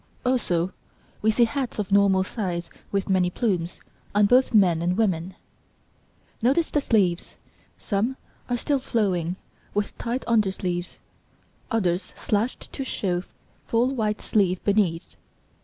Also we see hats of normal size with many plumes, on both men and women. Notice the sleeves: some are still flowing, with tight undersleeves, others slashed to show full white sleeve beneath.